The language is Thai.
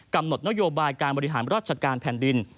กำหนดนโยบายการบริหารราชการแผ่นดิน